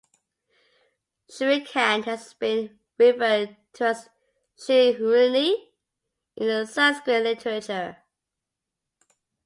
Shrikhand has been referred to as "Shikhrini" in the Sanskrit literature.